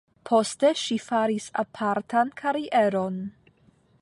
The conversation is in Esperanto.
Poste ŝi faris apartan karieron.